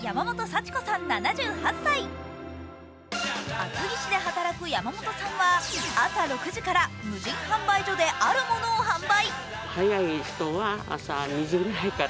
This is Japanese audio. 厚木市で働く山本さんは朝６時から無人販売所であるものを販売。